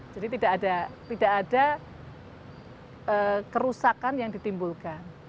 jadi tidak ada kerusakan yang ditimbulkan